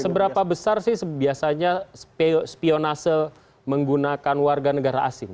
seberapa besar sih biasanya spionase menggunakan warga negara asing